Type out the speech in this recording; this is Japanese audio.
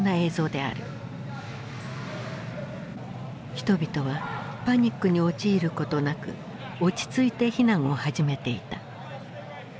人々はパニックに陥ることなく落ち着いて避難を始めていた。